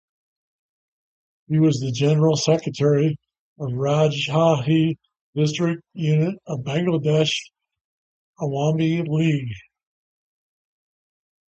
He was the general secretary of Rajshahi District unit of Bangladesh Awami League.